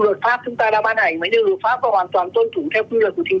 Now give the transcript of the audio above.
nếu chúng ta mà kích cầu hàng không thì thậm chí là chúng ta thấy rằng